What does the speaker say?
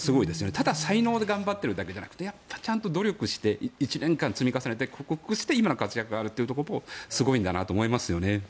ただ才能で頑張っているだけじゃなくてちゃんと努力をして１年間積み重ねて克服して今の活躍があるということはすごいんだなと思いますね。